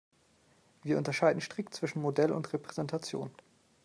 Wir unterscheiden strikt zwischen Modell und Repräsentation.